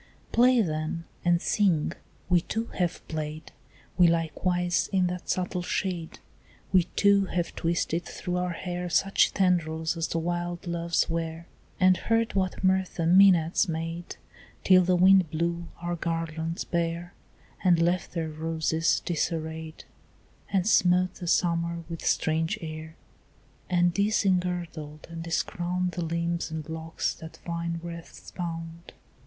Play then and sing; we too have played, We likewise, in that subtle shade. We too have twisted through our hair Such tendrils as the wild Loves wear, And heard what mirth the Mænads made, Till the wind blew our garlands bare And left their roses disarrayed, And smote the summer with strange air, And disengirdled and discrowned The limbs and locks that vine wreaths bound.